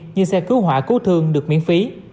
như xe cứu hỏa cứu thương được miễn phí